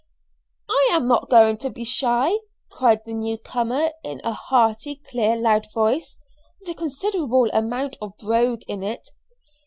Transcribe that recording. "I am not going to be shy," cried the new comer in a hearty, clear, loud voice with a considerable amount of brogue in it.